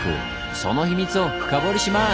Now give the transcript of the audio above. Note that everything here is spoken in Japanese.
その秘密を深掘りします！